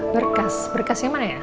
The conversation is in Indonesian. berkas berkasnya mana ya